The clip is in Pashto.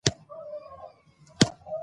لنډه پیرودنه باید په دقت وشي.